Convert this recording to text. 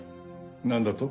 何だと？